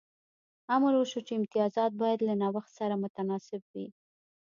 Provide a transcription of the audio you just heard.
امر وشو چې امتیازات باید له نوښت سره متناسب وي.